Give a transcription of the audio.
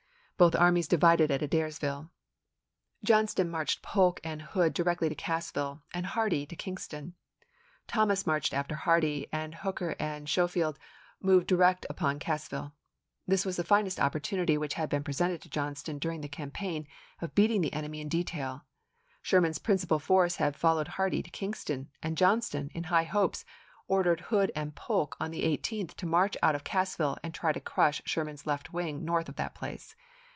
Both armies divided at Adairsville. Johnston marched Polk and Hood directly to Cassville and Hardee to Kingston. Thomas marched after Hardee, and Hooker and Schofield moved direct upon Cassville. This was the finest opportunity which had been presented to Johnston, during the campaign, of beating the enemy in detail. Sherman's principal force had followed Hardee to Kingston, and Johnston, in high hopes, ordered Hood and Polk on the 18th to May, lse*. march out of Cassville and try to crush Sherman's left wing north of that place.